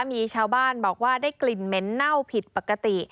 มีชาวบ้านบอกว่าได้กลิ่นเหม็นเน่าผิดปกติ